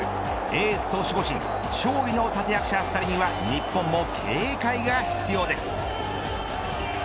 エースと守護神勝利の立て役者２人には日本も警戒が必要です。